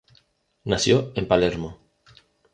Nació en Palermo.